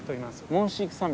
モンシーク山脈。